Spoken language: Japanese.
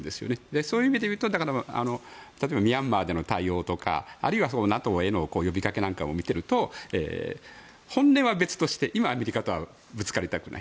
そういう意味で言うと例えば、ミャンマーでの対応とかあるいはＮＡＴＯへの呼びかけを見ていると本音は別として今、アメリカとはぶつかりたくない。